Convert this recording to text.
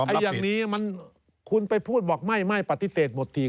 อย่างนี้มันคุณไปพูดบอกไม่ปฏิเสธหมดที